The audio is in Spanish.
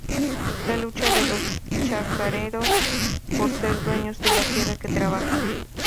La lucha de los chacareros por ser dueños de la tierra que trabajan.